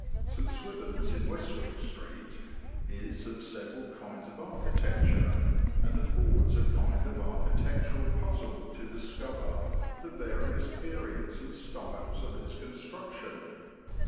St. Swithin's, in Westwick Street, is of several kinds of architecture, and affords a kind of architectural puzzle to discover the various periods and styles of its construction.